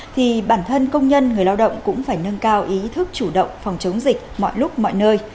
thì bản thân công nhân người lao động cũng phải nâng cao ý thức chủ động phòng chống dịch mọi lúc mọi nơi